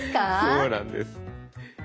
そうなんです。